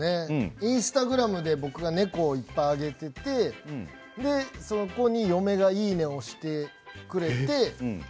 インスタグラムで僕が猫をいっぱい上げていてそこに嫁がいいね！を押してくれて。